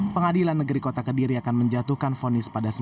pengadilan negeri kota kediri akan menjatuhkan